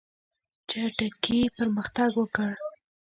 چټکي پرمختګ وکړ.